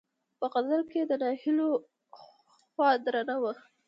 په غزل کې یې د ناهیلیو خوا درنه وه.